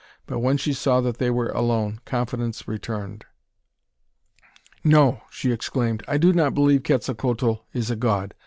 But when she saw that they were alone, confidence returned. "No!" she exclaimed. "I do not believe Quetzalcoatl is a god.